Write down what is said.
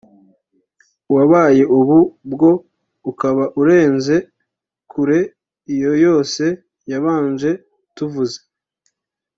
uwabaye ubu bwo ukaba urenze kure iyo yose yabanje tuvuze